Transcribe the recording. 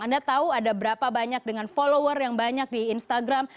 anda tahu ada berapa banyak dengan follower yang banyak di instagram